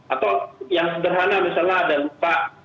atau yang sederhana misalnya ada luka